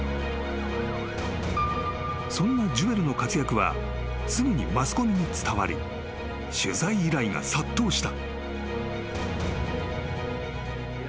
［そんなジュエルの活躍はすぐにマスコミに伝わり取材依頼が殺到した］